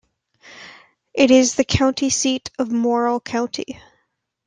It is the county seat of Morrill County.